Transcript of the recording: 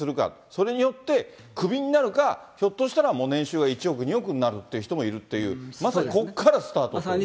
それによって、クビになるか、ひょっとしたら、年収が１億、２億になる人がいるっていう、まさに、ここからがスタートですね。